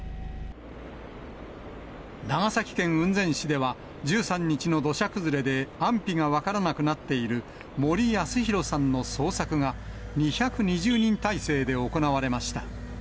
長崎県雲仙市では、１３日の土砂崩れで安否が分からなくなっている森保啓さんの捜索が２２０人態勢で行われました。